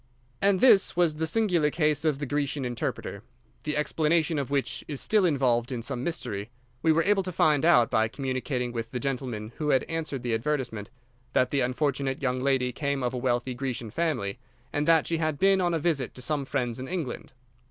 And this was the singular case of the Grecian Interpreter, the explanation of which is still involved in some mystery. We were able to find out, by communicating with the gentleman who had answered the advertisement, that the unfortunate young lady came of a wealthy Grecian family, and that she had been on a visit to some friends in England.